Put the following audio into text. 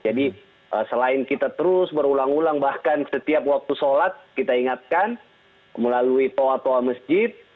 jadi selain kita terus berulang ulang bahkan setiap waktu sholat kita ingatkan melalui toa toa masjid